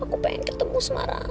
aku pengen ketemu semarangga